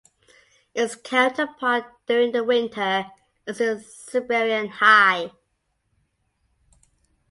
Its counterpart during the winter is the Siberian High.